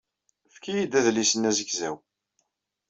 Efk-iyi-d adlis-nni azegzaw.